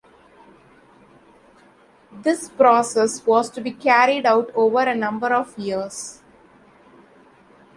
This process was to be carried out over a number of years.